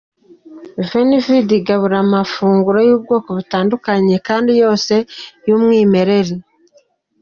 Veni Vidi igabura amafunguro y’ubwoko butandukanye kandi yose y’umwimerere.